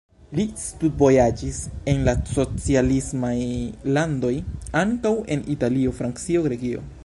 Li studvojaĝis en la socialismaj landoj, ankaŭ en Italio, Francio, Grekio.